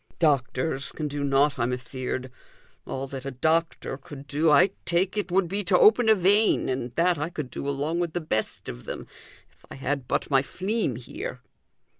"Doctors can do nought, I'm afeard. All that a doctor could do, I take it, would be to open a vein, and that I could do along with the best of them, if I had but my fleam here."